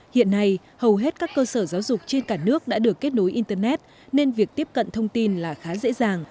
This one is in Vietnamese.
hiện nay hầu hết các cơ sở giáo dục trên cả nước đã được kết nối internet nên việc tiếp cận thông tin là khá dễ dàng